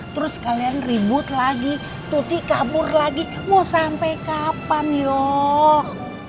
terus kalian ribut lagi tuti kabur lagi mau sampai kapan yuk